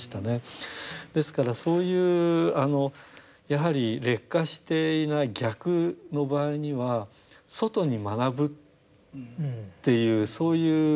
ですからそういうやはり劣化していない逆の場合には外に学ぶっていうそういうことができるんですよ。